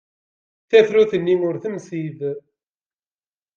Tafrut-nni ur temsid.